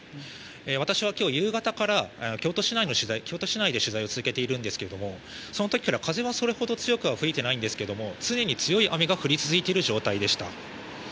私は今日、夕方から京都市内で取材を続けているんですけれどもその時から風はそれほど強く吹いていないんですが常に強い雨が降り続いている状態でした。